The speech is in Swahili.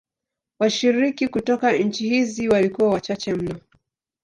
Washiriki kutoka nchi hizi walikuwa wachache mno.